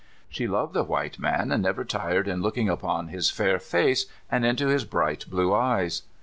She loved the wliite man, and never tired in looking upon his fair face, and into his bright blue eyes.